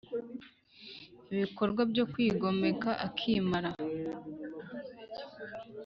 ibikorwa byo kwigomeka akimara